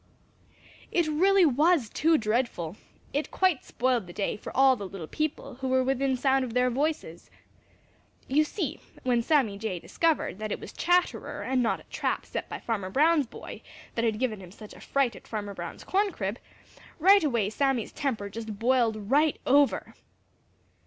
It really was too dreadful! It quite spoiled the day for all the little people who were within sound of their voices. You see, when Sammy Jay discovered that it was Chatterer and not a trap set by Farmer Brown's boy that had given him such a fright at Farmer Brown's corn crib, right away Sammy's temper just boiled right over.